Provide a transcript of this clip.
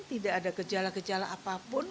tidak ada gejala gejala apapun